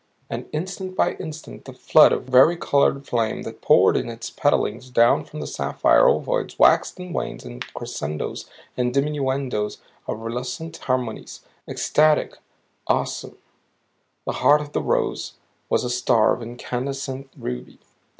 And instant by instant the flood of varicolored flame that poured into its petalings down from the sapphire ovoids waxed and waned in crescendoes and diminuendoes of relucent harmonies ecstatic, awesome. The heart of the rose was a star of incandescent ruby.